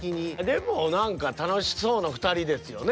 でも何か楽しそうな２人ですよね。